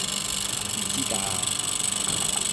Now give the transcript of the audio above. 唔知㗎